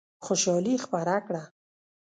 خوشالي خپره کړه.